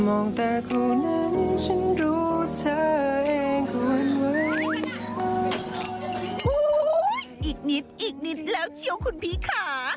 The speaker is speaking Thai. โอ้โหอีกนิดอีกนิดแล้วเชียวคุณพี่ค่ะ